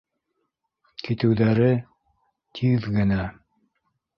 Китеүҙәре тиҙ генә...